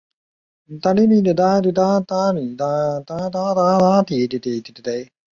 以下列出美国职棒大联盟国联历年在担任投手这个位置时获得银棒奖的球员。